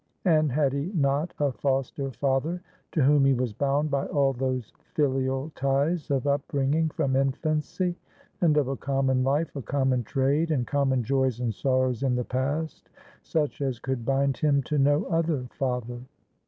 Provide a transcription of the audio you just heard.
And had he not a foster father to whom he was bound by all those filial ties of up bringing from infancy, and of a common life, a common trade, and common joys and sorrows in the past, such as could bind him to no other father?